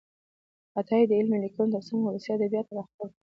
عطايي د علمي لیکنو ترڅنګ ولسي ادبیات هم راخپل کړي دي.